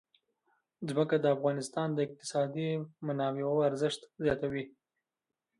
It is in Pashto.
ځمکه د افغانستان د اقتصادي منابعو ارزښت زیاتوي.